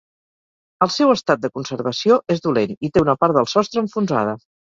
El seu estat de conservació és dolent i té una part del sostre enfonsada.